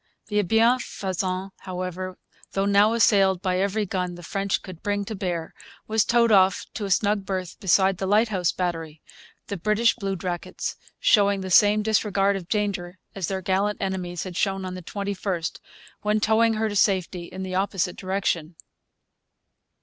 The Bienfaisant, however, though now assailed by every gun the French could bring to bear, was towed off to a snug berth beside the Lighthouse Battery, the British bluejackets showing the same disregard of danger as their gallant enemies had shown on the 21st, when towing her to safety in the opposite direction.